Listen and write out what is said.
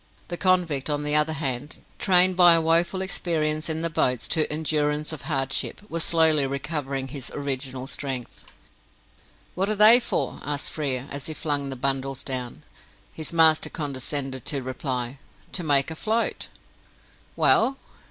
The convict, on the other hand, trained by a woeful experience in the Boats to endurance of hardship, was slowly recovering his original strength. "What are they for?" asked Frere, as he flung the bundles down. His master condescended to reply. "To make a float." "Well?"